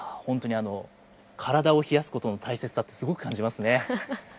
いやー、本当に体を冷やすことの大切さをすごく感じますね。